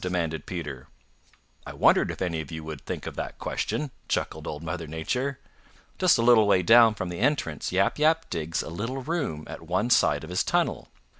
demanded Peter. "I wondered if any of you would think of that question," chuckled Old Mother Nature. "Just a little way down from the entrance Yap Yap digs a little room at one side of his tunnel.